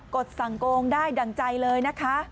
ดสั่งโกงได้ดั่งใจเลยนะคะ